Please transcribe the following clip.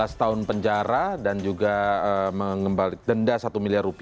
ya dituntut enam belas tahun penjara dan juga mengembalikan denda rp satu miliar